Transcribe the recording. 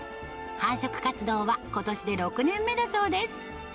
繁殖活動はことしで６年目だそうです。